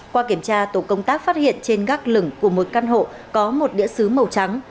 qua kiểm tra tổ công tác phát hiện trên gác lửng của một căn hộ có một đĩa xứ màu trắng